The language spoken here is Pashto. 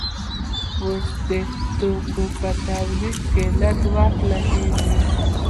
اوس د توکو په تولید لږ وخت لګیږي.